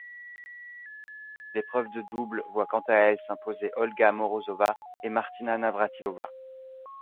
L'épreuve de double voit quant à elle s'imposer Olga Morozova et Martina Navrátilová.